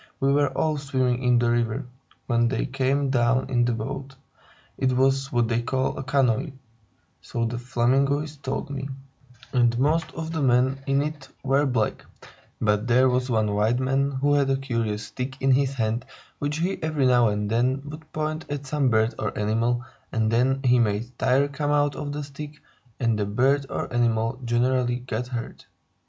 "We were all swimming in the river, when they came down in their boat. It was what they call a canoe (so the Flamingoes told me), and most of the men in it were black; but there was one white man who had a curious stick in his hand, which he every now and then would point at some bird or animal, and then he made tire come out of the stick, and the bird or animal generally got hurt.